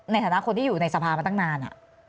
ในฐานะคนที่อยู่ในสภามาตั้งนาน